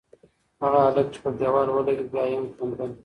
هغه هلک چې پر دېوال ولگېد، بیا یې هم خندل.